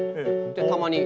でたまに。